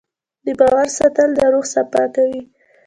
د باور ساتل د روح صفا کوي.